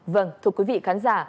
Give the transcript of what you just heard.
vâng thưa quý vị khán giả